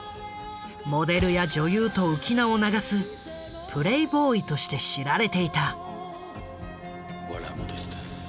モデルや女優と浮き名を流すプレイボーイとして知られていた。